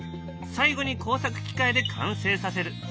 最後に工作機械で完成させる。